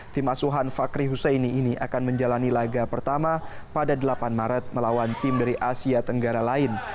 tim asuhan fakri husseini ini akan menjalani laga pertama pada delapan maret melawan tim dari asia tenggara lain